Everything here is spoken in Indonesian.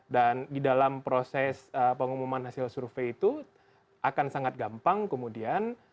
di dalam proses pengumuman hasil survei itu akan sangat gampang kemudian